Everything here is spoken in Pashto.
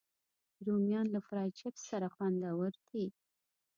رومیان له فرای چپس سره خوندور دي